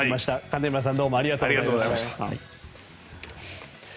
金村さんありがとうございました。